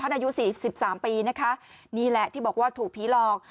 อายุสี่สิบสามปีนะคะนี่แหละที่บอกว่าถูกผีหลอก